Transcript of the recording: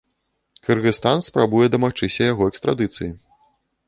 Кыргызстан спрабуе дамагчыся яго экстрадыцыі.